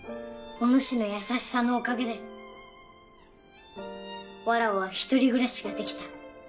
おぬしの優しさのおかげでわらわは１人暮らしができた。